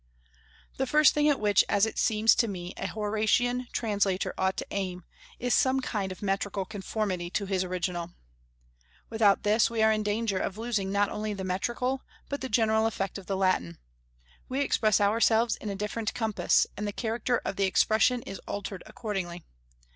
The first thing at which, as it seems to me, a Horatian translator ought to aim, is some kind of metrical conformity to his original. Without this we are in danger of losing not only the metrical, but the general effect of the Latin; we express ourselves in a different compass, and the character of the expression is altered accordingly.